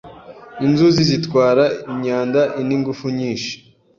Inzuzi zitwara imyanda inIngufu nyinshi